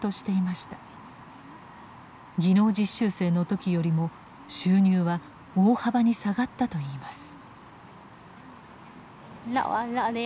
技能実習生の時よりも収入は大幅に下がったといいます。